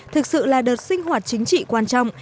thực sự là đợt sinh hoạt chính trị quan trọng